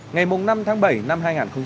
ngày năm tháng bảy năm hai nghìn một mươi sáu